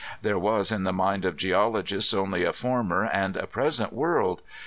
There was in the mind of geologists only a former and a present world.